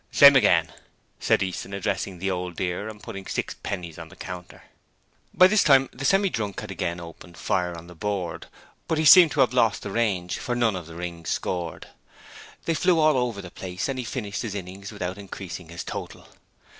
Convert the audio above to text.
'Same again,' said Easton, addressing the Old Dear and putting six pennies on the counter. By this time the Semi drunk had again opened fire on the board, but he seemed to have lost the range, for none of the rings scored. They flew all over the place, and he finished his innings without increasing his total.